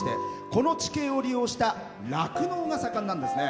この地形を利用した酪農が盛んなんですね。